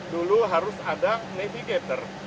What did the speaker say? dulu harus ada navigator